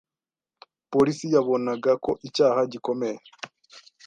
Polisi yabonaga ko icyaha gikomeye.